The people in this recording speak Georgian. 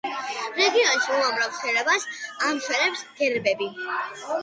რეგიონში უამრავ შენობას ამშვენებს გერბები.